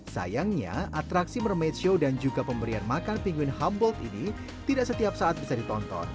sayangnya atraksi mermade show dan juga pemberian makan pingguin humbold ini tidak setiap saat bisa ditonton